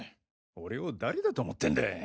俺を誰だと思ってんだ！